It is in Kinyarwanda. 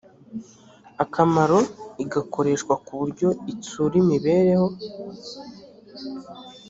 akamaro igakoreshwa ku buryo itsura imibereho